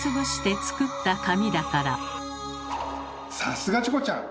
さすがチコちゃん！